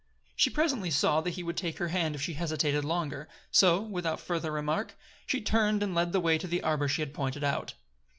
She presently saw that he would take her hand if she hesitated longer; so, without further remark, she turned and led the way to the arbor she had pointed out.